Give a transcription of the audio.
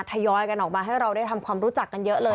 ทยอยกันออกมาให้เราได้ทำความรู้จักกันเยอะเลย